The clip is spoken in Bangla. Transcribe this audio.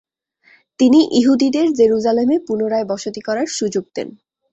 তিনি ইহুদিদেরকে জেরুজালেমে পুনরায় বসতি করার সুযোগ দেন।